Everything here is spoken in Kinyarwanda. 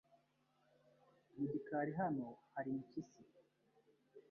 Mu gikari Hano hari impyisi.